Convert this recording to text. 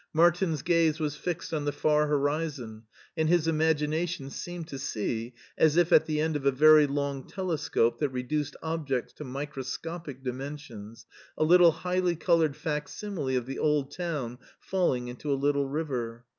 Martin's gaze was fixed on the far horizon, and his imagination seemed to see, as if at the end of a very long telescope that reduced objects to microscopic dimensions, a little highly colored facsimile of the old town falling into a little river.